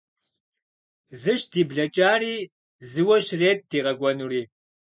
Зыщ ди блэкӀари, зыуэ щрет ди къэкӀуэнури.